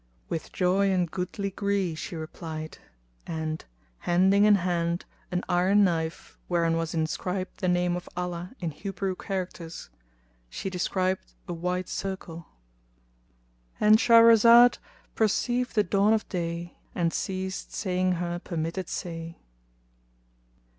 "With joy and goodly gree," she replied and, hending in hand an iron knife whereon was inscribed the name of Allah in Hebrew characters, she described a wide circle—And Shahrazad perceived the dawn of day and ceased saying her permitted say.